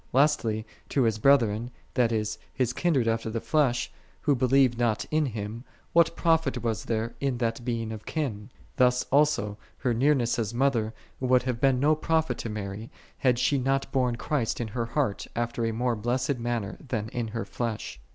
'* Lastly, to His brethren, that is, His kindred after the flesh, who believed not in Him, what profit was there in that being of kin ? Thus also her nearness as a Mother would have been of no profit to Mary, had she not borne Christ in her heart after a more blessed manner than in her flesh.